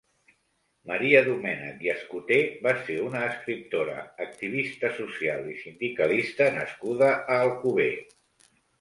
Maria Domènech i Escoté va ser una escriptora, activista social i sindicalista nascuda a Alcover.